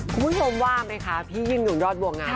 คุณผู้ชมว่าไหมคะพี่ยิ่งหุ่นยอดบัวงาม